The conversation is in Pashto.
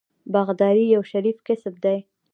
باغداري یو شریف کسب دی.